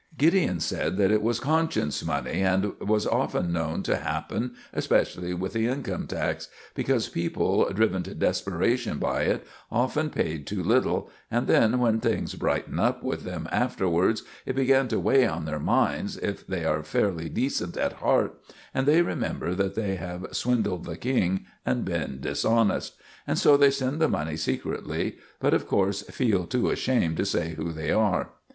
Gideon said that it was conscience money, and was often known to happen, especially with the Income Tax; because people, driven to desperation by it, often pay too little, and then, when things brighten up with them afterwards, it begins to weigh on their minds, if they are fairly decent at heart, and they remember that they have swindled the King and been dishonest; and so they send the money secretly, but, of course, feel too ashamed to say who they are.